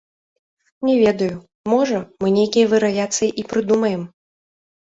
Не ведаю, можа, мы нейкія варыяцыі і прыдумаем.